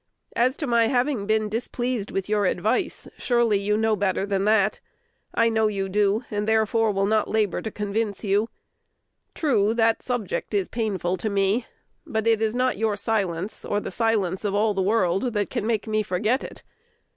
As to my having been displeased with your advice, surely you know better than that. I know you do, and therefore will not labor to convince you. True, that subject is painful to me; but it is not your silence, or the silence of all the world, that can make me forget it.